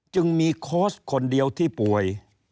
จึงมีโค้ชคนเดียวที่ป่วย